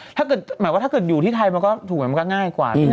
หมายถึงแบบเมื่อกีดอยู่ที่ไทยมันก็ง่ายกว่า